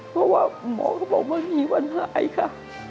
เพราะว่าหมอก็บอกไม่มีวันหายค่ะ